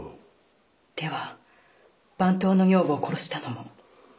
では番頭の女房を殺したのも？